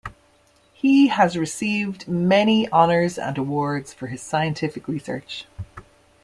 He has received many honors and awards for his scientific research.